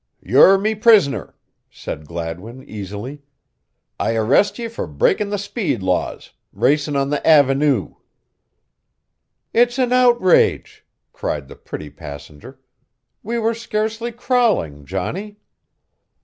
"You're me pris'ner," said Gladwin, easily. "I arrest ye fer breaking the speed laws racin' on the aven oo." "It's an outrage!" cried the pretty passenger. "We were scarcely crawling, Johnny."